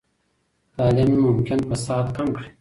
تعلیم ممکن فساد کم کړي.